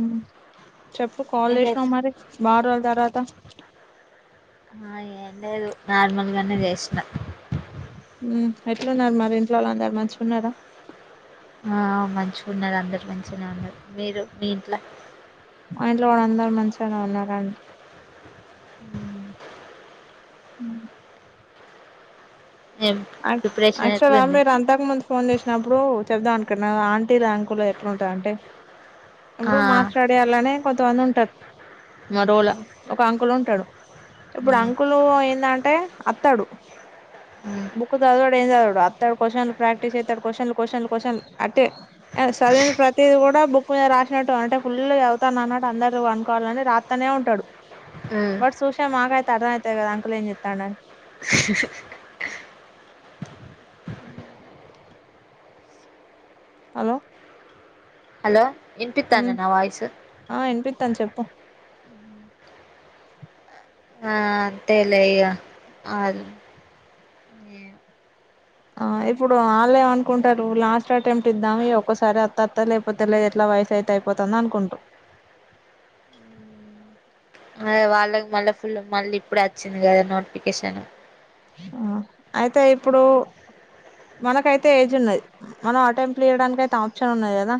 ఉ చెప్పు కాల్ ఏం లేదు చేసినావు మరి వారం తర్వాత ఆ ఏం లేదు నార్మల్గానే చేసిన ఉ ఎట్లున్నారు మరి ఇంట్లో వాళ్ళు అందరు మంచిగా ఉన్నారా ఆ మంచిగా ఉన్నారు అందరు మంచిగానే ఉన్నారు మీరు మీ ఇంట్లో మా ఇంట్లో వాళ్ళు అందరు మంచిగానే ఉన్నారండి ఉ ఏం అ ప్రిపరేషన్ అక్ష ఎట్లుంది రామే రా ఇంతకు ముందు ఫోన్ చేసినప్పుడు చెబదాం అనుకున్న ఆంటీలు అంకుల్ ఎట్లుంటారంటే ఆ ఇప్పుడు మాట్లాడేయాలనే కొంతమంది ఉంటారు మరోలా ఒక అంకుల్ ఉంటాడు ఇప్పుడు మ్మ్ అంకులు ఏందంటే అతడు మ్మ్ బుక్ చదవడు ఏం చదవడు అత్తే ప్రాక్టీస్ చెత్తడు క్వశ్చన్ కశ్చన్ కశ్చన్ అట్టే ఆ చదివింది ప్రతీదీ కూడా బుక్ మీద రాసినట్టు అంటే ఫుల్ చదువుతా అన్నట్టు అందరు అనుకోవాలని రాత్ తనే ఉంటాడు మ్మ్ బట్ సుసిన మాకయితే అర్థమయితది కదా అంకుల్ ఏం చేత్తండ స హలో హలో వినిపిత్తందా ఉమ్ నా వాయిసు ఆ వినిపిత్తంది చెప్పు ఆ అంతేలే అయ్య ఆ ఆ ఇప్పుడు వాళ్ళే మనుకుంటారు లాస్ట్ అటెంప్ట్ ఇద్దాం ఈ ఒక్కసారి అత్త అత్త లే వత్తలేదు ఎట్లా వయసు అయితే అయిపోతంది అనుకుంటు అ వాళ్ళకి మనకు మంది ఇప్పుడే వచ్చింది కదా నోటిఫికేషన్ అ అయితే ఇప్పుడు మనకైతే ఏజ్ ఉన్నది మనం అటెంప్ట్లు చేయడానికి అయితే ఆప్షన్ ఉన్నది కదా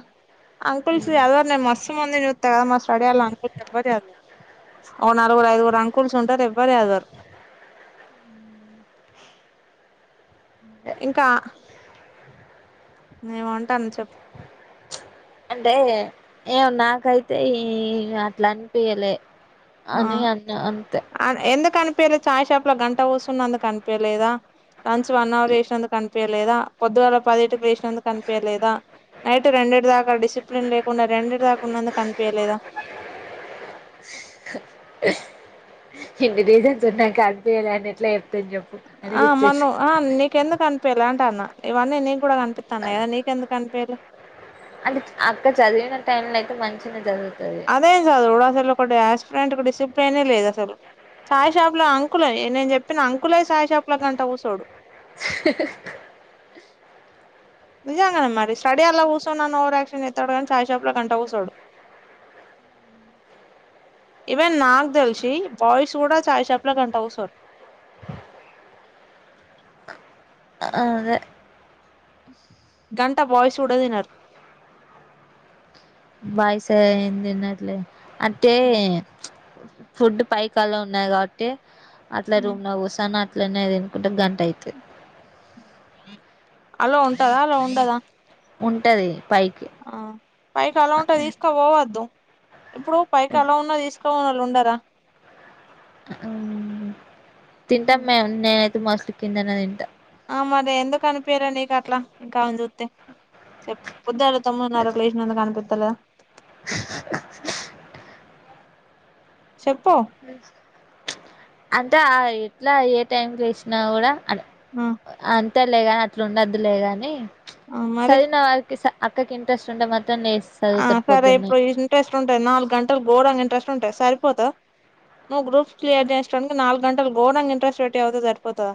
అంకుల్స్ యాదోటిలే మస్సు మంది చుత్త కదా మస్ అదేలా అంకల్ [unintelligible] ఓ నలుగురు ఐదుగురు అంకుల్స్ ఉంటారు ఎవ్వరు చదవరు ఇంకా ఏమో అంటంది చెప్పు అంటే ఏం నాకైతే ఈ అట్లా అనిపియ్యలే ఆ అదే అక్క అంతే ఎందుకు అనిపించలే చాయ్ షాప్ లో గంట కుసున్నందుకు అనిపియలేదా లంచ్ వన్ అవర్ చేసినందుకు కనిపియలేదా పొద్దుగాల పదింటికి లేసినందుకు కనిపియలేదా నైట్ రెండిటి దాకా డిసిప్లిన్ లేకుండా రెండిటి దాకా ఉన్నందుకు కనిపియలేదా ఇన్ని రీజన్స్ ఉన్నంక అనిపియ్యలే అని ఎట్లా చెప్తమ్ చేప్ ఆ మన్ ఆ నీకెందుకు అనిపియాలే అంటన ఇవన్నీ నీను కూడా కనిపిస్తాన్నాయ్ కదా నీకెందుకనిపియాలే అంటే అక్క చదివిన టైం లో అయితే మంచిగామే చదువుతది అదేం చదువుడు అసలు ఒక యాస్పిరెంట్ డిసిప్లినే లేదు అసలు చాయ్ షాప్ లో అంకులే నేను చెప్పిన అంకులే చాయ్ షాపుల గంట కూసోడు [unintelligible] నిజంగానే మరి స్టడీ హాల్ కుసోన్నాన్న ఓవర్యాక్షన్ చేత్తాడు కానీ చాయ్ షాప్ లో గంట కుసోడు ఈవెన్ నాకు తెలిసి బాయ్స్ కూడా చాయ్ షాప్ లో గంట కుసోరు అదే గంట బాయ్స్ కూడా తినరు బాయ్స్ ఎం తిన్నరు లే అంటే ఫుడ్ పైకి ఆలో ఉన్నది కాబట్టి అట్లా రూమ్ లో కూసోని అట్లనే తినుకుంట గంట అయితది ఆలో ఉంటదా అలో ఉండదా ఉంటది పైకి ఆ పైకి ఆలో ఉంటె తీసుకపోవద్దు ఇప్పుడు పైకి ఆలో ఉన్నా తీసుకపోనోలు ఉండారా తింటాం మేము నేనైతే మస్త్ కిందనే తింటా ఆ మరి ఎందుకు అనిపియలే నీకు అట్లా నిక్ అమేన్ చుస్తే చెప్ పొద్దుగల తొమ్మిదిన్నరక్ లెస్ నందుకనిపిత్తలే చెప్పు హ్మ్మ్హాం అంట ఆ ఎట్లా ఏ టైం లేసినా కూడా అ ఆ అంతే లేగాని అట్లా ఉండదులే గాని ఆ మరి సద్విన వారికి స అక్కకి ఇంట్రెస్ట్ ఉంటే మొత్తం నేస్ ఆ సరే పోఇన్ ఇంట్రెస్ట్ ఉంటది నాలుగు గంటలు గోరంగ ఇంట్రెస్ట్ ఉంటది సరిపోతద నువ్వు గ్రూప్స్ క్లియర్ చేసేటనికి నాలుగు గంటలు గోరంగ ఇంట్రెస్ట్ పెట్టి సద్వితే సరిపోతద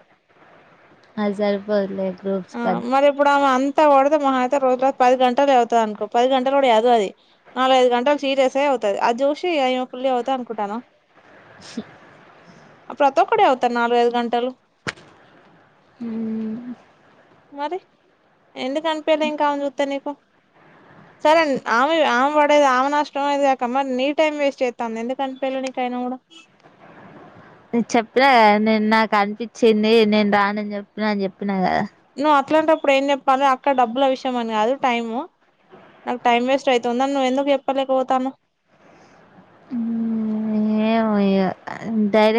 అది సరిపోదులే గ్రూప్స్ ఆ కంతా మరి ఇప్పుడు ఆమె అం త మాహ అయితే రోజులో పది గంటలు సధువుతదనుకో పది గంటలు కూడ సదువధి నాలుగైదు గంటలు సీరియస్గ సదువుతది అది చూసి ఇగ ఈమె ఫుల్ సధువుతది అనుకుంటనవా సూ ప్రతి ఒక్కడు సదువుతారు నాలుగు ఐదు గంటలు హ్మ్మ్ మరి ఎందుకు అనిపియాలే ఇంకా ఆమెను సూతే నీకు సరే ఆమె ఆమె పడేది ఆమె నష్టం అది కాక మరి నీ టైం వేస్ట్ చేస్తాంది ఎందుకనిపియలే నీకైనా కూడా నిక్ చెప్పినా కదా నేను నాకు అనిపించింది నేను రానని చెప్పిన అని చెప్పినా కదా నువ్వు అట్లాంటప్పుడు ఏం చెప్పాలే అక్కడ డబ్బుల విషయం అని కాదు టైమ్ నాకు టైం వేస్ట్ అవుతుందాని నువ్వెందుకు చెప్పలేకపోతన్నవు హ్మ్మ్ ఏమో ఇగ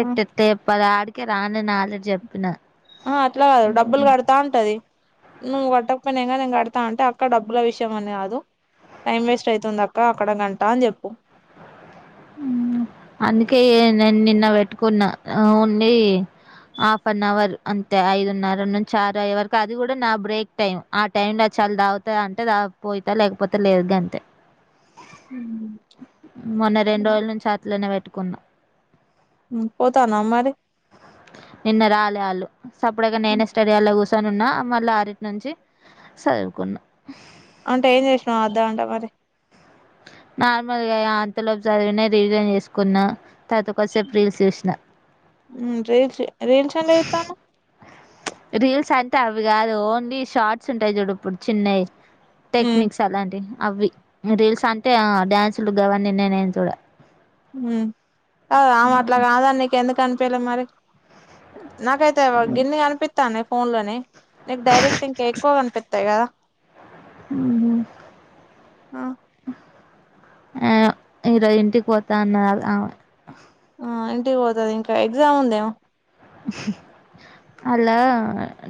ఆ ఎట్ల చేపాల అని కె రానాని ఆల్రెడీ జెప్పిన ఆహా అట్లా కాదు డబ్బులు కడతా అంటది నువ్వు కట్టకపోయినా ఏం కాదు నేన్ కడతా అంటే అక్క డబ్బుల విషయం అని కాదు టైం వేస్ట్ అయితంది అక్క అక్కడ గంట అని చెప్పు ఉమ్ అందుకే ఏ నేను నిన్న పెట్టుకున్న ఓన్లీ హాఫ్ అన్ అవర్ అంతే ఐదున్నర నుంచి ఆరు అయ్యే వరకు అది కూడా నా బ్రేక్ టైం ఆ టైం లో చాలు దాగుతా అంటే దా పోతా లేకపోతే లేదు గంతే హమ్ మొన్న రెండ్రోజుల నుంచి అట్లనే పెట్టుకున్న హమ్ పోతున్నావా మరి నిన్న రాలే ఆళ్లు చప్పుడు చెయ్యక నేనే స్టడి హాల్ లో కూర్చొని న్నా మళ్ళ అరిటి నుంచి సదువుకున్నా అంటే ఏం చేసినావు ఆ అర్ధ్ గంట మరి నార్మల్గా అంతలో సదివిన రివిజన్ చేసుకున్నా తరువాత కొంసేపు రీల్స్ చూసినా హ్మ్మ్ రీల్స్ రీల్స్ ఎండ్ల సుత్తన్నావ్ రీల్స్ అంటే అవి కాదు ఓన్లీ షార్ట్స్ ఉంటాయి చూడు ఇప్పుడు చిన్నయి టెక్నిక్స్ అలాంటివి అవి రీల్స్ అంటే ఆ డ్యాన్సులు అవన్నీ నేనేం చూడ హమ్ కాదు ఆమె అట్లా కాదాని నీకు ఎందుకు అనిపియాలే మరి నాకైతే గిన్ని కనిపితన్నై ఫోన్ లనే నీకు డైరెక్ట్ ఇంకా ఎక్కువ కనిపితై కదా హమ్ ఆ, ఏమో ఈరోజ్ ఇంటికి పోతా అన్నాది ఆమె ఆ ఇంటికి పోతుది ఇంకా ఎగ్జామ్ ఉందేమో వాళ్ళ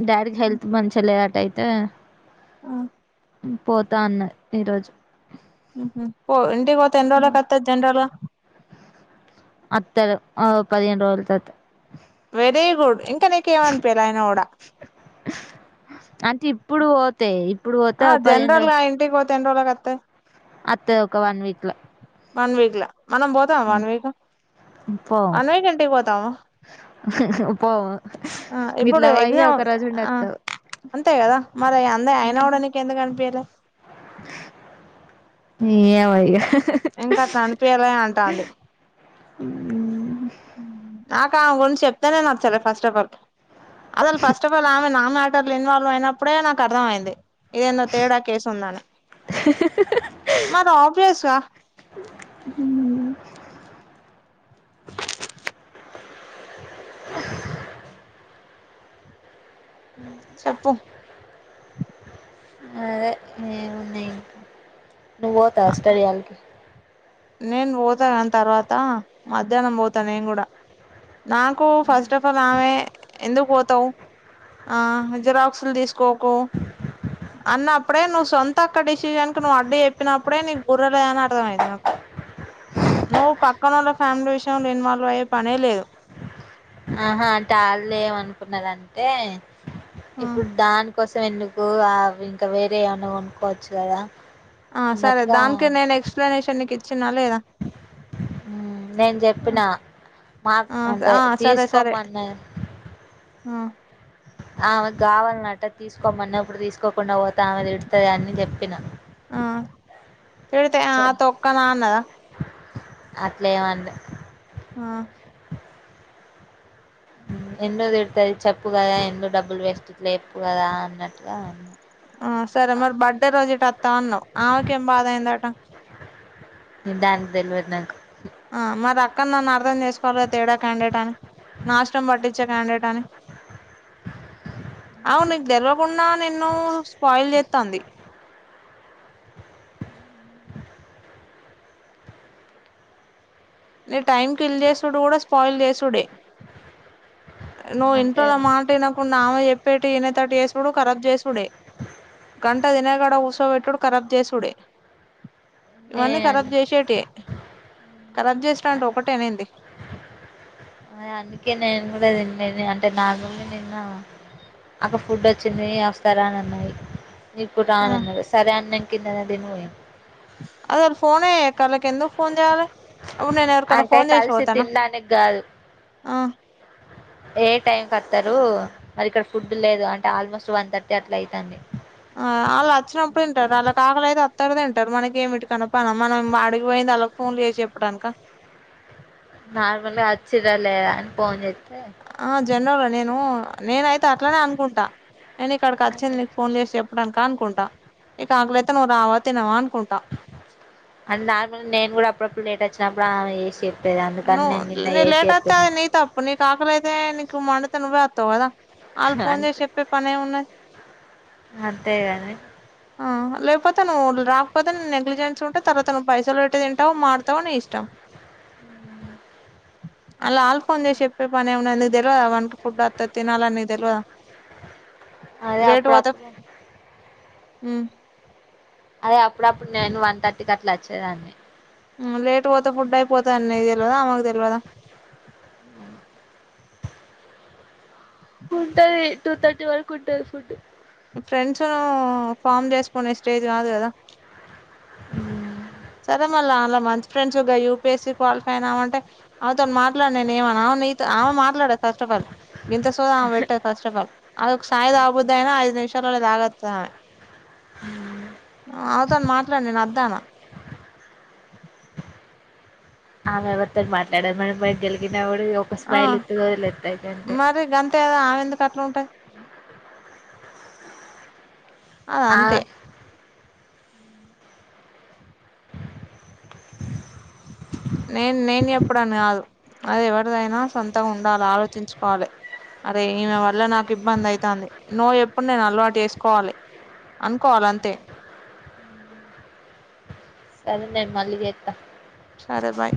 డాడీకి హెల్త్ మంచిగా లేదట అయితే ఆ పోతా అన్నది ఈరోజు ఉహుమ్ పో ఇంటిికిపోతే ఎన్ని రోజులకు వస్తది జనరల్గ అత్తరు ఓ పదిహేను రోజలు తరువాత వెరీ గుడ్ ఇంకా నీకేమనిపియ్యాలే అయిన కూడా అంటే ఇప్పుడు పోతే ఇప్పుడు పోతే ఓ పదిహేను రొజూ ఆ ఇంటికిపోత్ ఎన్ని రోజులకు అత్తదీ అత్తయి ఒక వన్ వీక్ ల వన్ వీక్ లా మనం పోతామ వన్ వీక్ ల పోము వన్ వీక్ ఇంటికి పోతామ పోము ఆ ఇప్పుడు గిట్లా పోయి ఒక ఎగ్జామ్ రోజు ఆ ఉండొత్తం అంతే కదా మరి అయన కూడా నీకు నీ కెందుకు అనిపియ్యలె ఏమో ఇగ ఇంకాట్ల అనిపియాలి అని అంటాంది ఉ ఉమ్ నాక ఆమె గుంచి చెప్తేనే నచ్చలే ఫస్ట్ ఆఫ్ ఆల్ అది వాల్ ఫస్ట్ ఆఫ అల్ వళ్ళమె నా మ్యాటర్లో ఇన్వాల్వ్ అయినప్పుడే నాకు అర్థమైంది ఎడ్నో తేడా కేసు ఉందాని మరి అబ్బియస్‌గా ఉమ్ [unintelligible] చెప్పు అదే ఏమున్నాయి ఇంకా నువ్వు పోతావా స్టడీ హాల్‌కి నేను పోతా కాని తర్వాత మధ్యాహ్నం పోతా నేను కూడా నాకు ఫస్ట్ ఆఫ్ ఆల్ ఆమె ఎందుకు పోతావ్ ఆ జిరాక్సులు తీసుకోకు అన్నప్పుడే నువ్వు సొంత అక్క డెసిషన్‌కు నువ్వు అడ్డు చెప్పినప్పుడే నీకు బుర్ర లేదు అని అర్థమైంది నాకు నువ్వు పక్కనోళ్ళ ఫ్యామిలీ విషయంలో ఇన్వాల్వ్ అయ్యే పనే లేదు ఆహా అంటే అళ్ళు ఏం అనుకున్నారంటే ఇప్పుడు దాని కోసం ఎందుకు ఆ ఇంకా వేరే ఏమన్నా కొనుక్కోవచ్చు కదా ఆ సరే అన్నట్టుగా దానికే నేను ఎక్స్ట్రానేషన్ నీకు ఇచ్చిన్నా లేదా ఉమ్మ్ నేను చెప్పినా మాక్ ఆ అంటే ఆ సరే సరే తీసుకోమన్న ఆ ఆమెకి కావాలన్నట తీసుకోమన్నప్పుడు తీసుకోకుండా పోతే ఆమె తిడుతాది అని చెప్పిన ఆ తిడితే ఆ తొక్కన అన్నదా అట్లేం అన్లే ఆ ఎందుకు తిడుతాది చెప్పు కదా ఎందుకు డబ్బులు వేస్ట్ ఇట్లా చెప్పు కదా అన్నట్టుగా అన్న ఆ సరే మరి బర్త్డే రోజు ఇటు వత్త అన్నావ్ ఆమెకేం బాధ అయిందట దానికి తెల్వదు నా ఆ మరి అప్పన్న అర్థం చేసుకోవాలిగా తేడా క్యాండేట్ అని నాశనం పట్టిచే క్యాండేట్ అని అవును నీకు తెలవకుండా నిన్ను స్పాయిల్ చేత్తంది ఇట్లా టైం కిల్ చేసుడు కూడా స్పాయిల్ చేసుడే నువ్వు అంటే ఇంట్లోల్ల మాట ఇనకుండా ఆమె చెప్పేటి ఇనేతట్టు చేసుడు ఖరాబ్ చేసుడే గంట తినే కాడ కూసోబెట్టుడు ఖరాబ్ చేసుడే నే ఇవన్నీ ఖరాబ్ చేసేటియే ఖరాబ్ చేసుడు అంటే ఒకటే నేంది ఆ అందుకే నేను కూడా తిన్లేదే అంటే నా రూమ్‌లో నిన్న అక్క ఫుడ్ వచ్చింది అస్తారా అని అన్నయి ఇప్పుడు ఆ రాను అన్నది సరే అని నేను కిందనే తిని పోయి అసలు ఫోనే గళ్లకి ఎందుకు ఫోన్ చేయాలే అవు నేను ఎవరికన్నా అంటే ఫోన్ చేసి కలిసి పోతానా తినడానికి కాదు ఆ ఏ టైంకి వత్తరు మరి ఇక్కడ ఫుడ్ లేదు అంటే ఆల్మోస్ట్ వన్ థర్టీ అట్లా అయితంది ఆ అళ్ళు అచ్చినప్పుడు తింటారు అళ్లాకి ఆకలి అయితే అత్తరు తింటారు మనకి ఏమిటికన్నా పన మనం ఆడికిపోయింది అళ్ళ ఫోన్లు చేసి చెప్పడానికి నార్మల్‌గా అచ్చిరాలే అని పోన్ చేతే ఆ జనరల్‌గా నేను నేనైతే అట్లనే అనుకుంటా నేను ఇక్కడికి అచ్చింది నీకు ఫోన్లు చేసి చె ప్పడానికా అనుకుంటా నీకు ఆకలైతే నువ్వు రావా తినవా అనుకుంటా అంటే నార్మల్ నేను కూడా అప్పుడప్పుడు లేట్ అచ్చినప్పుడు ఆమె చేసే ప్పేది అందుకని నువ్వు నేను నిన్న నీ ఏసి లేట్ అయితే చెప్పినా అది నీ తప్పు నీకు ఆకలైతే నీకు మండితే నువ్వే వత్తవు కదా అళ్ళు ఫోన్ చేసి చెప్పే పనేమున్న అట్టే గాని ఆ లేకపోతే నువ్వు రాకపోతే నెగ్లిజెన్స్ ఉంటే తర్వాత నువ్వు పైసలు పెట్టి తింటావో మాడుతావో నీ ఇష్టం అ అలా ఆల ఫోన్ చేసి చెప్పే పని ఏం ఉంది వాళ్ళకి తెలివద వన్ ఫుడ్ అత తినాలా అ నీ తెలివద అదే లేేట్ పోతె అప్పుడప్పుడు అదే అప్పుడప్పుడు నేను వన్ థర్టీకి అట్లా వచ్చేదాన్ని హుమ్ లేట్ గా పోతే ఫుడ్ అయిపోతా అన్నది నీకు తెలవదా ఆమెకు తెలవదా ఆ [inaudible] ఉంటది టూ థర్టీ వరకు ఉంటాది ఫుడ్ ఫ్రెండ్స్ ఫామ్ చేసికొనె స్టేజ్ కాదు కదా అ సరే మళ్ళ్ అలో మంచి ఫ్రెంస్గా యూపిఎస్సి క్వాలిఫై అయినా వంటే అమె తొను మాట్లాడ నేను ఏమ నీ ఆమె మాట్లాడ ఫస్ట్ ఆఫ్ ఆల్ ఈంత ఆమె పెట్ట ఫస్ట్ ఆఫ్ ఆల్ అ సాయి తాగుబోతు అయిన ఐదు నిమిషాలది తగతంది ఆమె ఆమెతో మాట్లాడునేను అద్దానా ఆమె ఎవరితో మాట్లాడారు మనం పోయి గెలిగిన కుడ ఒక స్మైల్ ఇత్ వదిలేతది అంతే ద ఆమె ఎందు అట్లా ఉంటాది అ అద ఆ అంతే నేను నేను ఎప్పుడుని కాదు అది ఎవరిదైనా సొంతం ఉండాలి ఆలోచించుకోవాలి అరే ఈమె వల్ల నాకు ఇబ్బంది అయితాంది నువ్వు ఎప్పుడు నేను అలవాటు చేసుకోవాలి అనుకోవాల అంతే సరే నేను మళ్ళీ చెత సరే బాయ్